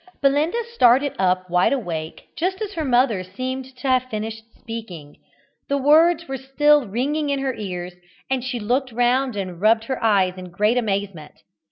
Belinda started up wide awake, just as her mother seemed to have finished speaking. The words were still ringing in her ears, and she looked round and rubbed her eyes in great amazement.